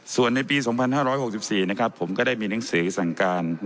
ส่วนในปี๒๕๖๔ผมก็ได้มีหนังสือสั่งการ